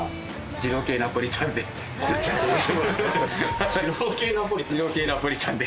二郎系ナポリタンで。